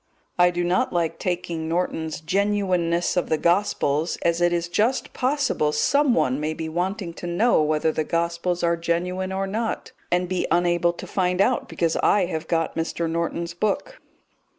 I do not like taking Norton's Genuineness of the Gospels, as it is just possible someone may be wanting to know whether the Gospels are genuine or not, and be unable to find out because I have got Mr. Norton's book.